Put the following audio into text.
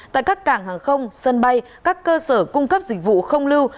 tại các cảng hàng không sân bay các cơ sở cung cấp dịch vụ không lưu